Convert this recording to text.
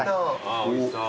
おいしそう。